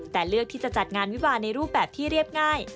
แต่เลือกที่จะจัดงานวิวาในรูปแบบที่เรียบง่าย